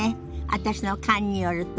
私の勘によると。